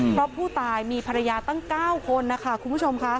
เพราะผู้ตายมีภรรยาตั้ง๙คนนะคะคุณผู้ชมค่ะ